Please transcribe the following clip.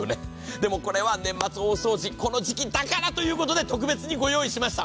でもこれは年末大掃除、この時期だからということで特別にご用意しました。